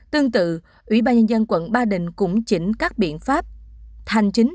tương tự ủy ban nhân dân quận ba đình cũng chỉnh các biện pháp hành chính